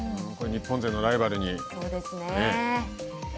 これ日本勢のライバルにね。